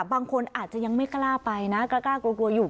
บางคนอาจจะยังไม่กล้าไปนะกล้ากลัวกลัวอยู่